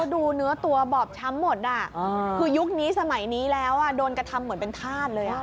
ดูเนื้อตัวบอบช้ำหมดคือยุคนี้สมัยนี้แล้วโดนกระทำเหมือนเป็นธาตุเลย